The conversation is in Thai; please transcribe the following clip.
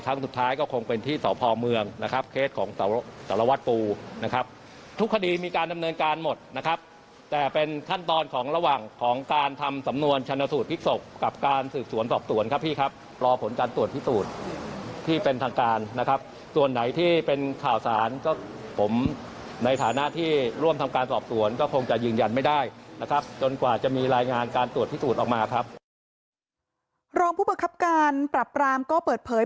รองผู้บังคับการปรับรามก็เปิดเผย